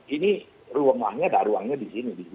ini ruangnya ada ruangnya di sini